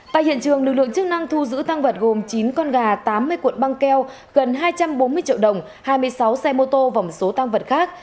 tại hiện trường lực lượng chức năng thu giữ tăng vật gồm chín con gà tám mươi cuộn băng keo gần hai trăm bốn mươi triệu đồng hai mươi sáu xe mô tô và một số tăng vật khác